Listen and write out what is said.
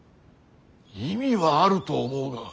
意味はあると思うが。